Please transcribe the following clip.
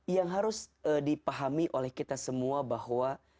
yang harus dipahami oleh kita semua bahwa